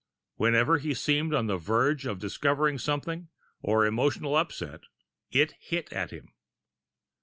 Whenever he seemed on the verge of discovering something or emotionally upset, it hit at him.